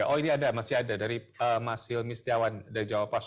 oh ini ada masih ada dari mas hilmi setiawan dari jawab pas